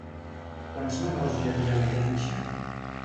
Quants menors hi havia a la llanxa?